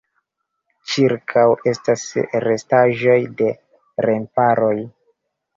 Ĉirkaŭe estas restaĵoj de remparoj.